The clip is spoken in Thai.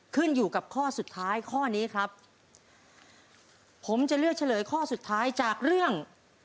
ขึ้นอยู่กับข้อสุดท้ายข้อนี้ครับผมจะเลือกเฉลยข้อสุดท้ายจากเรื่อง